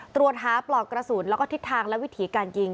ตรวจหาปลอกกระสุนแล้วก็ทิศทางและวิถีการยิง